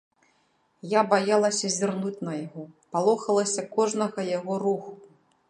Я баялася зірнуць на яго, палохалася кожнага яго руху.